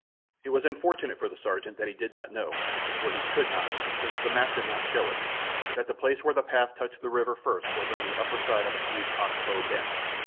It was unfortunate for the sergeant that he did not know what he could not, since the map did not show it that the place where the path touched the river first was on the upper side of a huge "ox bow" bend.